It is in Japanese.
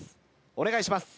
お願いします。